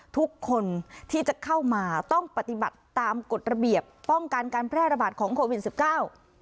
ทุกคนที่จะเข้ามาต้องปฏิบัติตามกฎระเบียบป้องกันการแพร่ระบาดของโควิดสิบเก้า